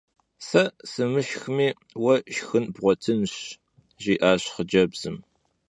Se sumışşxmi vue şşxın bğuetınş! – jji'aş xhıcebzım.